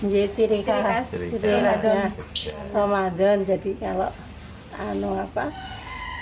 jadi tiri khas tiri ramadan